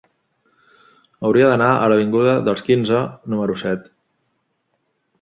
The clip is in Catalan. Hauria d'anar a l'avinguda dels Quinze número set.